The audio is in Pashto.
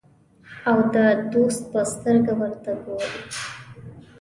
او د دوست په سترګه ورته ګوري.